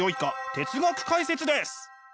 哲学解説です！